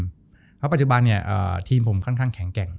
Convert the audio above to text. เพราะปัจจุบันทีมผมค่อนข้างแข็งแกร่ง